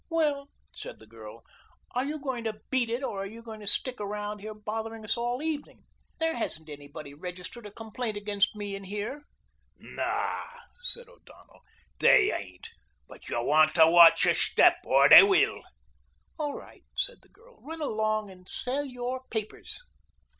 "Well," said the girl, "are you going to beat it or are you going to stick around here bothering us all evening? There hasn't anybody registered a complaint against me in here." "Naw," said O'Donnell, "they ain't, but you want to watch your step or they will." "All right," said the girl, "run along and sell your papers."